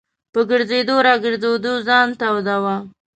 په ګرځېدو را ګرځېدو ځان توداوه.